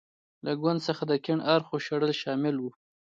له ګوند څخه د کیڼ اړخو شړل شامل و.